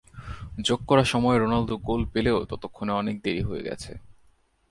যোগ করা সময়ে রোনালদো গোল পেলেও ততক্ষণে অনেক দেরি হয়ে গেছে।